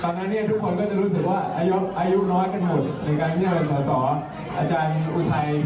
ก็เป็นคนที่ผมรู้สึกว่าเป็นตัวอย่างเกี่ยวกับประวัติศาสตร์กลางเมืองไทย